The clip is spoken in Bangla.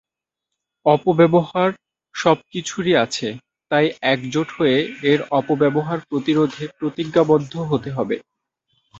অপব্যবহার সবকিছুরই আছে, তাই একজোট হয়ে এর অপব্যবহার প্রতিরোধে প্রতিজ্ঞাবদ্ধ হতে হবে।